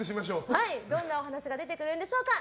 どんなお話が出てくるんでしょうか。